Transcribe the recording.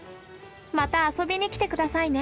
また遊びに来て下さいね。